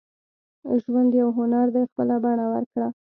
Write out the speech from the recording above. • ژوند یو هنر دی، خپله بڼه ورکړه.